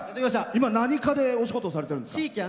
今、何課でお仕事をされてるんですか？